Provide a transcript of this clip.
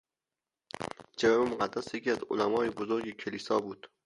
جروم مقدس یکی از علمای بزرگ کلیسا بود.